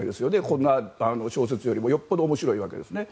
こんな小説よりよっぽど面白いわけですね。